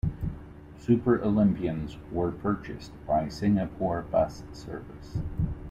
Super Olympians were purchased by Singapore Bus Service.